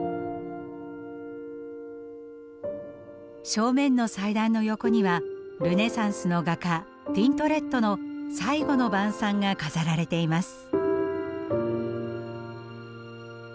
正面の祭壇の横にはルネサンスの画家ティントレットの「最後の晩餐」が飾られています。